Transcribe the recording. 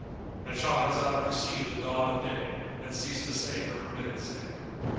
——And Shahrazad perceived the dawn of day and ceased to say her permitted say.